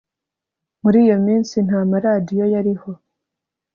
Muri iyo minsi nta maradiyo yariho